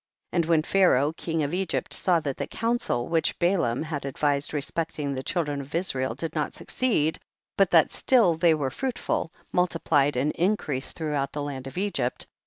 4. And when Pharaoh king of Egypt saw that the counsel which Balaam had advised respecting the cliildren of Israel did not succeed, but that still they were fruitful, mul tiplied and increased throughout the land of Egypt, 5.